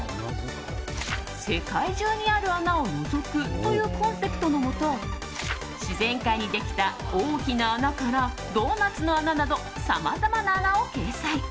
世界中にある穴をのぞくというコンセプトのもと自然界にできた大きな穴からドーナツの穴などさまざまな穴を掲載。